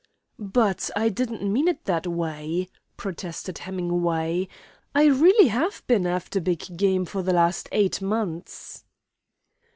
"But I didn't mean it that way," protested Hemingway. "I really have been after big game for the last eight months."